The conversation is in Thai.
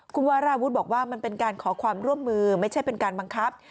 คุณวาราวุฒิบอกว่ามันเป็นการขอความร่วมมือไม่ใช่เป็นการบังคับ